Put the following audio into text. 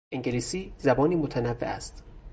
انگلیسی زبانی متنوع است.